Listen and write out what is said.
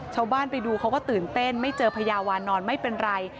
ชาวบ้านไปดูเขาก็ตื่นเต้นไม่เจอพญาวานอนไม่เป็นไร